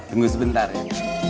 tunggu sebentar ya